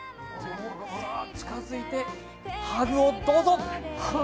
近づいて、ハグをどうぞ！